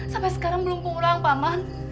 sampai sekarang belum pulang paman